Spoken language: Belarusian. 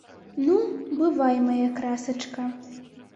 Ну, бывай, мая красачка!